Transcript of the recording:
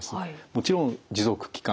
もちろん持続期間